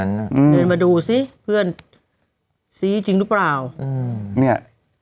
เนี่ย